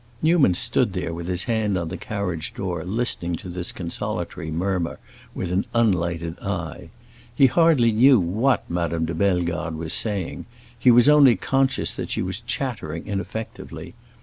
Newman stood there with his hand on the carriage door listening to this consolatory murmur with an unlighted eye. He hardly knew what Madame de Bellegarde was saying; he was only conscious that she was chattering ineffectively.